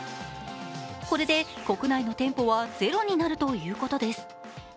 これで、国内の店舗はゼロになるということです。